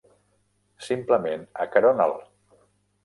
Simplement acarona'l.